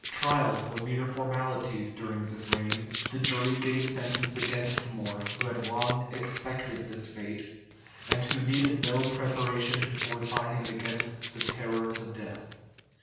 [*] Trials were mere formalities during this reign: the jury gave sentence against More, who had long expected this fate, and who needed no preparation to fortify him against the terrors of death.